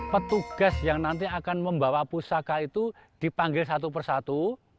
petugas yang nanti akan membawa pusaka itu dipanggil satu persatu